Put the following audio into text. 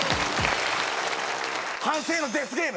反省のデスゲーム。